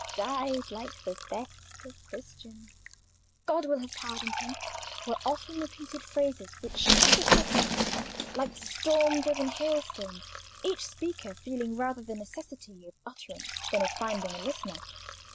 —"Died like the best of Christians"—"God will have pardoned him"—were often repeated phrases, which shot across each other like storm driven hailstones, each speaker feeling rather the necessity of utterance than of finding a listener.